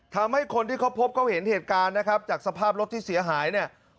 ทำให้คนที่เขาพบเขาเห็นเหตุการณ์นะครับจากสภาพรถที่เสียหายเนี่ย